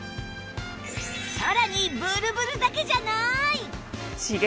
さらにブルブルだけじゃない！